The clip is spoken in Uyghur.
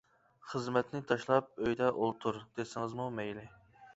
خىزمەتنى تاشلاپ ئۆيدە ئولتۇر، دېسىڭىزمۇ مەيلى.